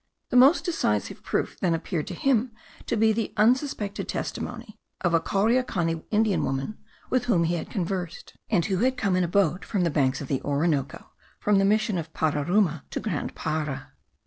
The most decisive proof then appeared to him to be the unsuspected testimony of a Cauriacani Indian woman with whom he had conversed, and who had come in a boat from the banks of the Orinoco (from the mission of Pararuma) to Grand Para.